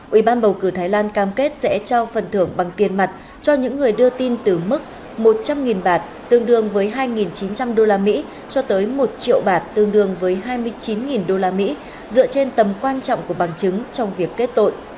ủy ban bầu cử thái lan cam kết sẽ trao phần thưởng bằng tiền mặt cho những người đưa tin từ mức một trăm linh bạt tương đương với hai chín trăm linh usd cho tới một triệu bạt tương đương với hai mươi chín usd dựa trên tầm quan trọng của bằng chứng trong việc kết tội